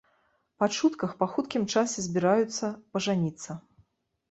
Па чутках, па хуткім часе збіраюцца пажаніцца.